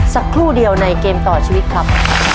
สักครู่เดียวในเกมต่อชีวิตครับ